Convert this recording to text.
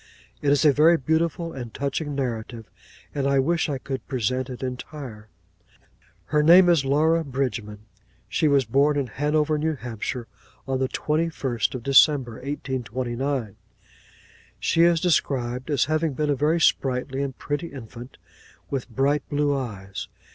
It is a very beautiful and touching narrative; and I wish I could present it entire. Her name is Laura Bridgman. 'She was born in Hanover, New Hampshire, on the twenty first of December, 1829. She is described as having been a very sprightly and pretty infant, with bright blue eyes.